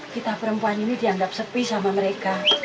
kita perempuan ini dianggap sepi sama mereka